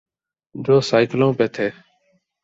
جو سائیکلوں پہ تھے۔